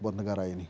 buat negara ini